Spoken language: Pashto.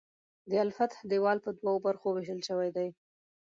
د الفتح دیوال په دوو برخو ویشل شوی دی.